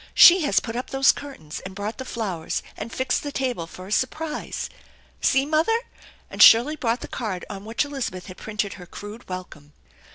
She has put up those curtains, and brought the flowers, and fixed the table, for a surprise. See, mother !" and Shirley brought the card on which Elizabeth had printed her crude welcome.